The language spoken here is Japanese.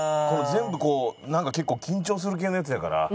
全部なんか結構緊張する系のやつやから。